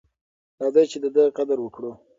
راځئ چې د ده قدر وکړو.